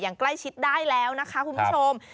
อย่างใกล้ชิดได้แล้วนะคะคุณผู้ชม